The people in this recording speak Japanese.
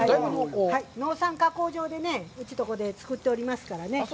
農産加工場でうちとこで作っておりますからね。